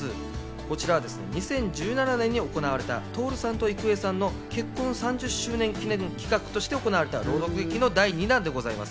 こちらは２０１７年に行われた徹さんと郁恵さんの結婚３０周年記念企画として行われた朗読劇の第２弾でございます。